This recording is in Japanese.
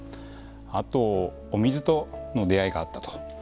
あと、お水との出会いがあったと。